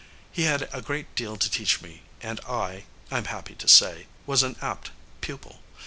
He had a great deal to teach me and I, I'm happy to say, was an apt pupil.